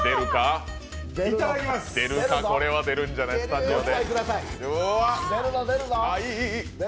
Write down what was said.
出るか、これは出るんじゃない、スタジオで。